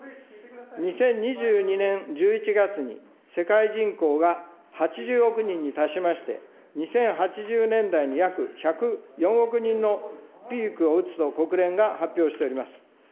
２０２２年１１月に、世界人口が８０億人に達しまして、２０８０年代に約１０４億人のピークを打つと、国連が発表しております。